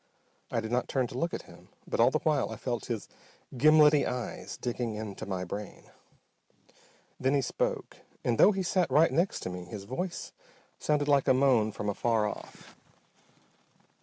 I did not turn to look at him but all the while I felt his gimlety eyes digging into my brain. Then he spoke. And though he sat right next to me his voice sounded like a moan from afar off.